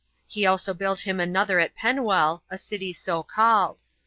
He also built him another at Penuel, a city so called.